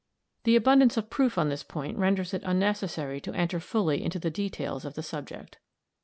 The abundance of proof on this point renders it unnecessary to eater fully into the details of the subject.